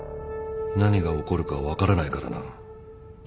何が起こるか分からないからな。